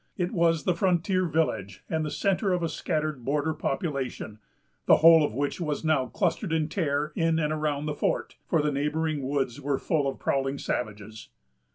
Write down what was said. It was the frontier village and the centre of a scattered border population, the whole of which was now clustered in terror in and around the fort; for the neighboring woods were full of prowling savages.